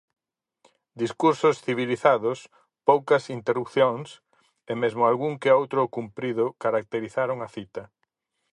Discursos civilizados, poucas interrupcións e mesmo algún que outro cumprido caracterizaron a cita.